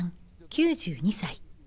９２歳。